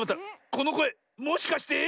このこえもしかして。